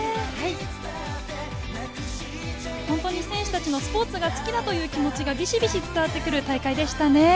選手たちのスポーツが好きだという気持ちが伝わってくる大会でしたね。